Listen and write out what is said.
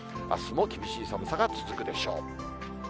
あすも厳しい寒さが続くでしょう。